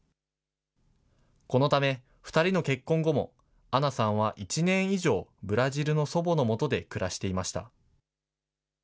このため２人の結婚後も、アナさんは１年以上、ブラジルの祖母のもとで暮らしていました。